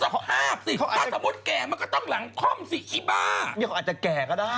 ก็เพราะสมมุติแก่มาก็ต้องหลังคล่อมสิอีบา